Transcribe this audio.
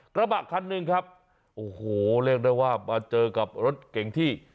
กระบะคันหนึ่งครับโอ้โหเรียกได้ว่ามาเจอกับรถเก่งที่